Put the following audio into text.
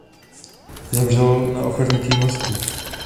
Zemřel na ochrnutí mozku.